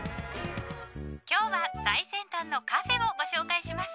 今日は最先端のカフェをご紹介します。